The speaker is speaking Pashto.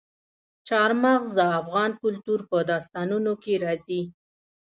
چار مغز د افغان کلتور په داستانونو کې راځي.